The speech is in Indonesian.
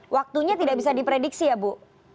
waktunya tidak bisa diprediksi ya bu